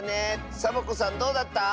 サボ子さんどうだった？